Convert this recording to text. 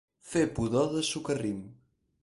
Fer pudor de socarrim.